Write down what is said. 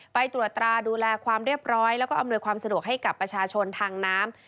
ไปตรวจตราดูแลความเรียบร้อยแล้วก็อำนวยความสะดวกให้กับประชาชนทางน้ำ